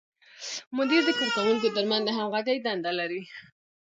مدیر د کارکوونکو تر منځ د همغږۍ دنده لري.